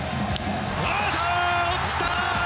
落ちた！